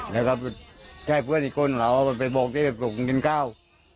แล้วเพื่อนอีกคนเขาบอกไปบกผมกินข้าว